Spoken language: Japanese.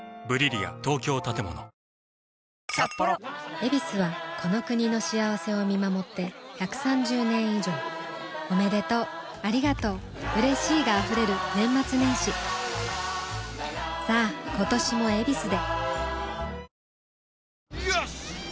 「ヱビス」はこの国の幸せを見守って１３０年以上おめでとうありがとううれしいが溢れる年末年始さあ今年も「ヱビス」でよしっ！